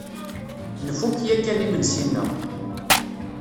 Nfuk yakan imensi-nneɣ.